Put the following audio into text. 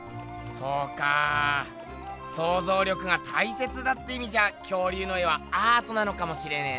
そうかぁそうぞう力がたいせつだっていみじゃあ恐竜の絵はアートなのかもしれねえな。